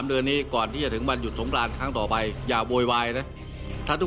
เพราะว่านายกกฎมตรีนั้นก็คงต้องพยายามทำให้เกิดขึ้นได้จริงนะคะ